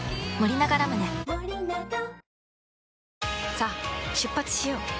さあ出発しよう。